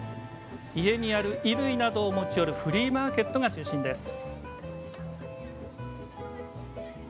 家にある衣類などを持ち寄るフリーマーケットが中心です。